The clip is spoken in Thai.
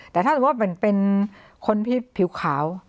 แต่ที่ถึงว่าเป็นคนผิวขาว